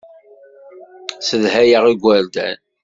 Ssedhayeɣ igerdan.